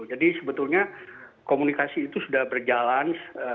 jadi sebetulnya komunikasi itu sudah berjalan